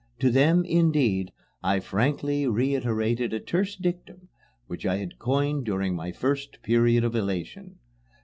To them, indeed, I frankly reiterated a terse dictum which I had coined during my first period of elation.